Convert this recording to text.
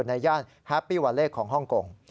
ย่านแฮปปี้วาเล่ของฮ่องกง